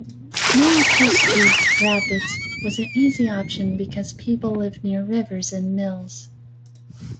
Name Koski, rapids, was an easy option because people lived near rivers and mills.